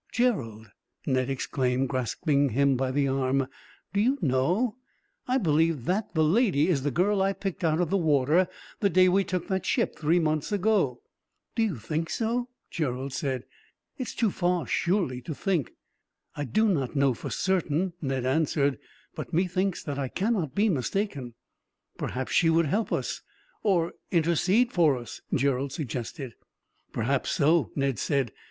"Gerald," Ned exclaimed, grasping him by the arm, "do you know, I believe that the lady is the girl I picked out of the water, the day we took that ship three months ago." "Do you think so?" Gerald said. "It is too far, surely, to see." "I do not know for certain," Ned answered, "but methinks that I cannot be mistaken." "Perhaps she would help us, or intercede for us," Gerald suggested. "Perhaps so," Ned said.